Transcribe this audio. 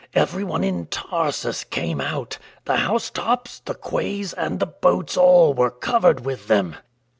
Everyone in Tarsus came out. The house tops, the quays, and the boats all were covered with them."